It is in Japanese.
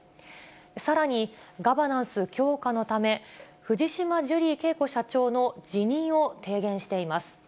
さらに、ガバナンス強化のため、藤島ジュリー景子社長の辞任を提言しています。